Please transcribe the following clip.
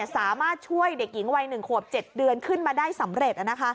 สามารถช่วยเด็กหญิงวัย๑ขวบ๗เดือนขึ้นมาได้สำเร็จ